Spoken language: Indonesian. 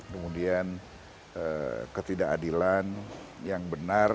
kemudian ketidakadilan yang benar